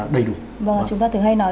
đầy đủ và chúng ta thường hay nói